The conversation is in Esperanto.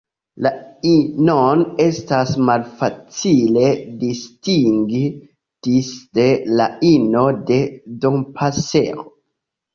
La inon estas malfacile distingi disde la ino de Dompasero.